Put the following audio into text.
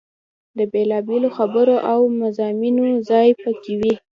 د بېلا بېلو برخو او مضامینو ځای په کې وي.